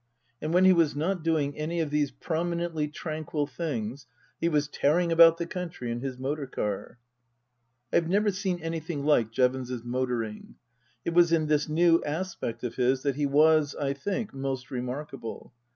And when he was not doing any of these promi nently tranquil things he was tearing about the country in his motor car. I have never seen anything like Jevons's motoring. It was in this new aspect of his that he was, I think, most remarkable.